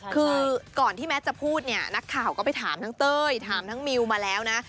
คือก่อนที่แมทจะพูดเนี่ยนักข่าวก็ไปถามทั้งเต้ยถามทั้งมิวมาแล้วนะ